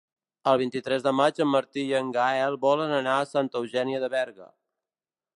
El vint-i-tres de maig en Martí i en Gaël volen anar a Santa Eugènia de Berga.